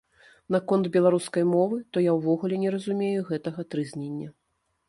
Наконт беларускай мовы, то я ўвогуле не разумею гэтага трызнення.